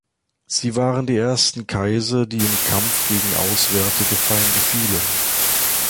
Sie waren die ersten Kaiser, die im Kampf gegen auswärtige Feinde fielen.